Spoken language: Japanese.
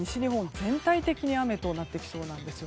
全体的に雨となってきそうなんです。